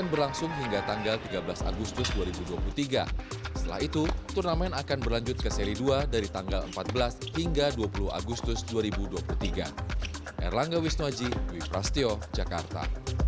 erlangga wisnuaji wiprastio jakarta